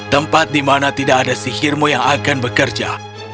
tempat di mana tidak ada sihirmu yang akan bekerja